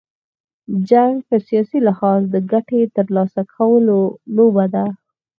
جنګ په سیاسي لحاظ، د ګټي تر لاسه کولو لوبه ده.